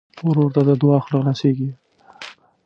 ورور ته د دعا خوله خلاصيږي.